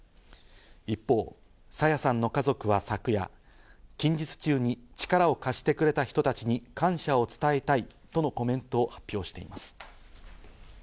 一方、朝芽さんの家族は昨夜、近日中に力を貸してくれた人たちに感謝を伝えたいとのコメントを発表しています。